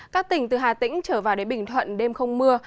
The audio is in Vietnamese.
các tỉnh từ hà tĩnh trở vào đến bình thuận đêm không mưa